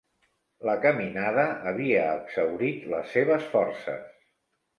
La caminada havia exhaurit les seves forces.